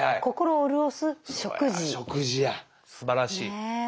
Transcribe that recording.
すばらしい。